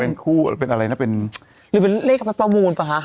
เป็นคู่เป็นอะไรนะเป็นหรือเป็นเลขประป๋ามูลป่ะฮะ